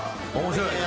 面白い。